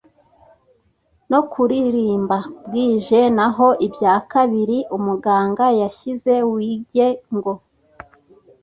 no kuririmba bwije; naho ibya kabiri, umuganga yashyize wig ye ngo,